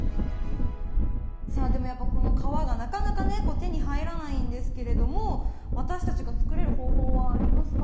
さあでもやっぱこの皮がなかなかね手に入らないんですけれども私たちが作れる方法はありますか？